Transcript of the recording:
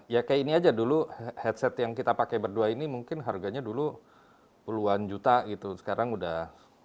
ya kayak ini aja dulu headset yang kita pakai berdua ini mungkin harganya dulu puluhan juta gitu sekarang udah